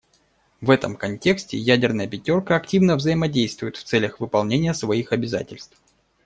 В этом контексте ядерная "пятерка" активно взаимодействует в целях выполнения своих обязательств.